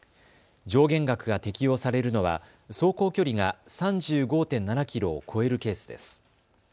上限額が適用されるのは走行距離が３５．７キロを超えるケースです。